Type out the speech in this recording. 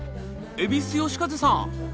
蛭子能収さん